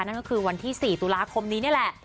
นั่นก็คือวันที่๔ตุลาคมนี้นี่แหละ